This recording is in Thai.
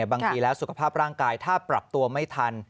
บางทีแล้วสุขภาพร่างกายถ้าปรับตัวไม่ทัน